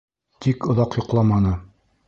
Тик оҙаҡ йоҡламаны.